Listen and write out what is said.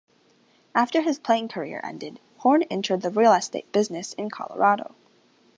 After his playing career ended, Horn entered the real estate business in Colorado.